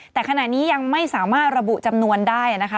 แต่ขณะนี้ยังไม่สามารถระบุจำนวนได้นะคะ